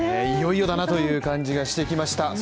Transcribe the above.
いよいよだなという感じがしてきました